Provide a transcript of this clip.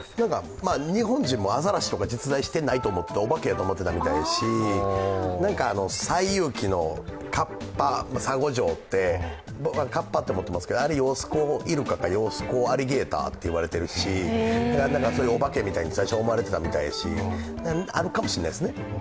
日本人もあざらしとか実在していないと思ってたしお化けやと思っていたみたいやし西遊記の沙悟浄ってカッパと思ってますけどあれ、揚子江イルカか揚子江アリゲーターといわれてるし、そういうお化けみたいに最初は思われてみたいだし、あるかもしれないですね。